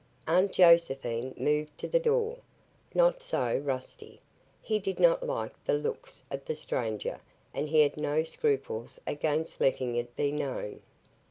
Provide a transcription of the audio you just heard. Aunt Josephine moved to the door. Not so, Rusty. He did not like the looks of the stranger and he had no scruples against letting it be known.